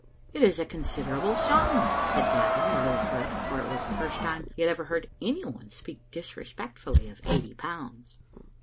"It is a considerable sum," said Gavin, a little hurt, for it was the first time he had ever heard anyone speak disrespectfully of eighty pounds.